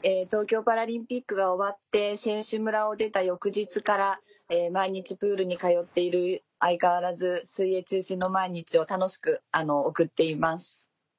東京パラリンピックが終わって選手村を出た翌日から毎日プールに通っている相変わらず水泳中心の毎日を楽しく送っています。